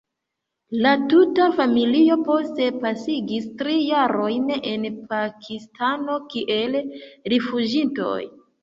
La tuta familio poste pasigis tri jarojn en Pakistano kiel rifuĝintoj.